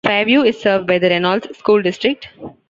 Fairview is served by the Reynolds School District.